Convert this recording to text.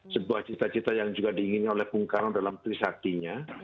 sebuah cita cita yang juga diinginkan oleh bung karno dalam trisaktinya